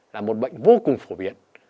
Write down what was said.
là một bệnh vô cùng phổ biến